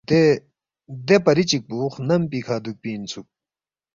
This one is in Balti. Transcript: دے پری چِکپو خنم پیکھہ دُوکپی اِنسُوک